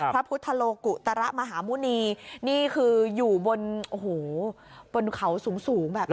พระพุทธโลกุตระมหาหมุณีนี่คืออยู่บนโอ้โหบนเขาสูงสูงแบบนี้